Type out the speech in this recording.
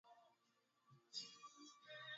chini ya shingo